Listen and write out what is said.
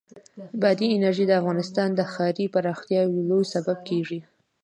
بادي انرژي د افغانستان د ښاري پراختیا یو لوی سبب کېږي.